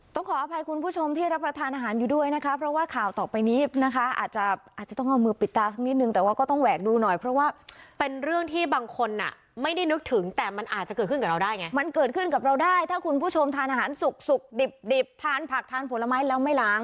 ขออภัยคุณผู้ชมที่รับประทานอาหารอยู่ด้วยนะคะเพราะว่าข่าวต่อไปนี้นะคะอาจจะอาจจะต้องเอามือปิดตาสักนิดนึงแต่ว่าก็ต้องแหวกดูหน่อยเพราะว่าเป็นเรื่องที่บางคนอ่ะไม่ได้นึกถึงแต่มันอาจจะเกิดขึ้นกับเราได้ไงมันเกิดขึ้นกับเราได้ถ้าคุณผู้ชมทานอาหารสุกสุกดิบดิบทานผักทานผลไม้แล้วไม่ล้าง